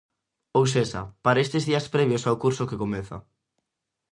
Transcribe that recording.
Ou sexa, para estes días previos ao curso que comeza.